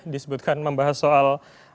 disebutkan membahas soal